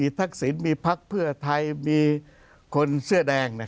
มีทักศิลป์มีภักดิ์เพื่อไทยมีคนเสื้อแดงนะครับ